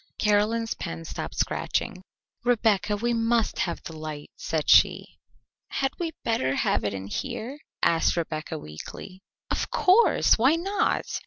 Caroline's pen stopped scratching. "Rebecca, we must have the light," said she. "Had we better have it in here?" asked Rebecca weakly. "Of course! Why not?"